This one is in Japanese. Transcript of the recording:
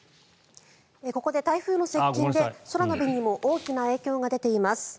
ここで台風の接近で空の便にも大きな影響が出ています。